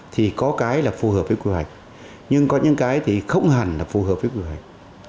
thì có cái là phù hợp với quy hoạch nhưng có những cái thì không hẳn là phù hợp với quy hoạch